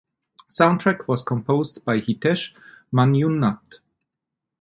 Soundtrack was composed by Hitesh Manjunath.